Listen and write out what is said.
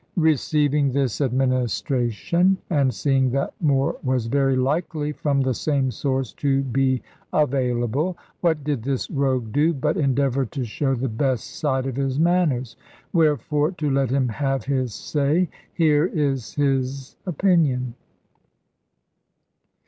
Receiving this administration, and seeing that more was very likely from the same source to be available, what did this rogue do but endeavour to show the best side of his manners. Wherefore, to let him have his say, here is his opinion.